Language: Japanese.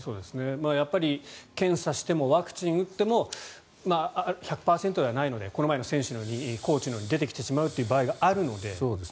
やっぱり検査してもワクチンを打っても１００％じゃないのでこの前のコーチのように出てきてしまうということがあるので。